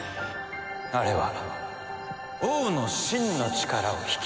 あれは王の真の力を引き出す槍。